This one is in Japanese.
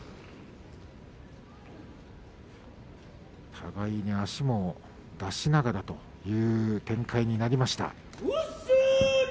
互いに足も出しながらという展開になりました。